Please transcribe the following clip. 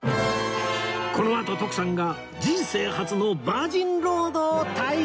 このあと徳さんが人生初のバージンロードを体験！